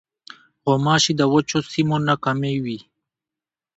غوماشې د وچو سیمو نه کمې وي.